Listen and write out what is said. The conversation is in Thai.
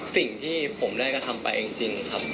สิ่งที่ผมได้กระทำไปจริงครับ